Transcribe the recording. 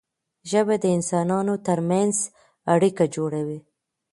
ژبه د انسانانو ترمنځ اړیکه جوړوي.